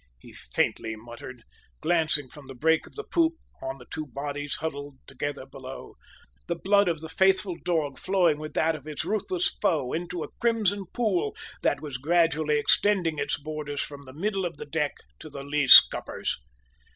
he faintly muttered, glancing from the break of the poop on the two bodies huddled together below, the blood of the faithful dog flowing with that of his ruthless foe into a crimson pool that was gradually extending its borders from the middle of the deck to the lee scuppers.